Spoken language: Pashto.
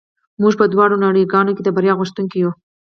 موږ په دواړو نړۍ ګانو کې د بریا غوښتونکي یو